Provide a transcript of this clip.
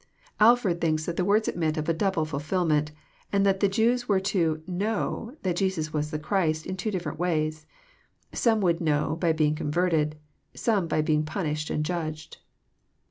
Alford thinks that the words admit of a double fhlfllment, and that the Jews were to " know " that Jesus was the Christ, in two diflerent ways. Some would know by being converted, some by being punished and judged.